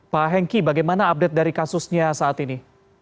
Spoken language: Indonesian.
pak hengki bagaimana update dari kasusnya saat ini